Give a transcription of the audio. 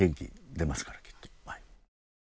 元気出ますからきっと。